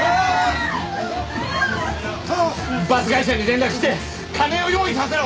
バス会社に連絡して金を用意させろ！